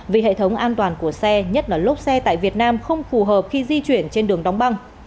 vì hệ thống an toàn của xe nhất là lốp xe tại việt nam không phù hợp khi di chuyển trên đường đóng băng